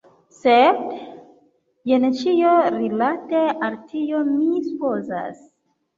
Sed... jen ĉio rilate al tio, mi supozas.